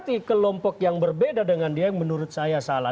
berarti kelompok yang berbeda dengan dia yang menurut saya salah